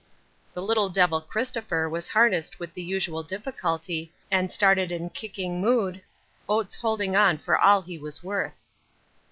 The little devil Christopher was harnessed with the usual difficulty and started in kicking mood, Oates holding on for all he was worth.